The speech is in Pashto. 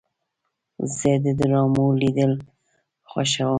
زه د ډرامو لیدل خوښوم.